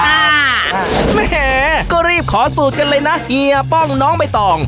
แหมก็รีบขอสูตรกันเลยนะเฮียป้องน้องใบตอง